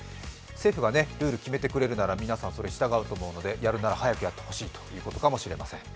政府がルール決めてくれるなら皆さんそれ従うと思うのでやるなら早くやってほしいということかもしれません。